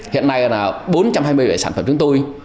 hiện nay là bốn trăm hai mươi bảy sản phẩm chúng tôi